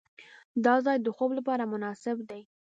دا ځای د خوب لپاره مناسب دی.